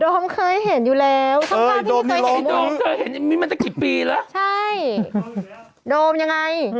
ครับเห็นอยู่แล้วเออเกี่ยวกี่ปีแล้วใช่ยังไง